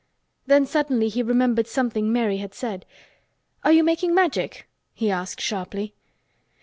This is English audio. Then suddenly he remembered something Mary had said. "Are you making Magic?" he asked sharply.